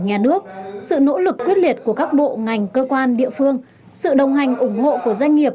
nhà nước sự nỗ lực quyết liệt của các bộ ngành cơ quan địa phương sự đồng hành ủng hộ của doanh nghiệp